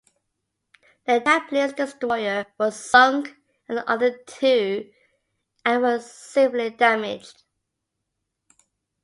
The Japanese destroyer was sunk, and the other two and were severely damaged.